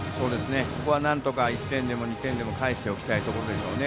ここはなんとか１点でも２点でも返しておきたいところでしょうね。